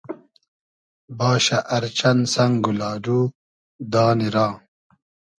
باشۂ ار چئن سئنگ و لاۮو دانی را